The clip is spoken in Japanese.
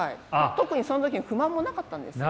特にその時に不満もなかったんですよね。